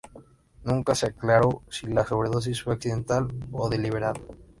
Nunca se aclaró si la sobredosis fue accidental o deliberada.